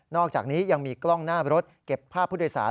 อกจากนี้ยังมีกล้องหน้ารถเก็บภาพผู้โดยสาร